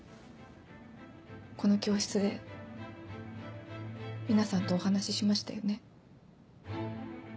この教室で皆さんとお話ししましたよね？